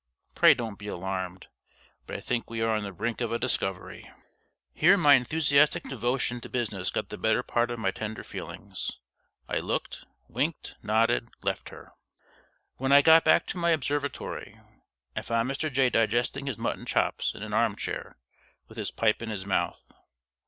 Pray don't be alarmed, but I think we are on the brink of a discovery." Here my enthusiastic devotion to business got the better part of my tender feelings. I looked winked nodded left her. When I got back to my observatory, I found Mr. Jay digesting his mutton chops in an armchair, with his pipe in his mouth.